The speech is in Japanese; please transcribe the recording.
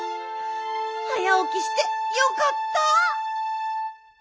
早おきしてよかった！